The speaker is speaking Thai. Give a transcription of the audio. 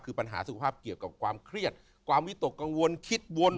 คือปัญหาสุขภาพเกี่ยวกับความเครียดความวิตกกังวลคิดวน